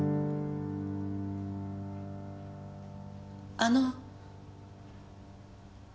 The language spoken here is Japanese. あの。